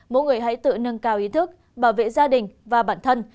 mỗi người hãy tự nâng cao ý thức bảo vệ gia đình và bản thân